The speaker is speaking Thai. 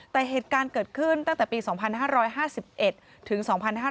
แต่เหตุการณ์เกิดขึ้นตั้งแต่ปี๒๕๕๑ถึง๒๕๕๙